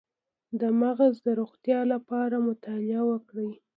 د مغز د روغتیا لپاره مطالعه وکړئ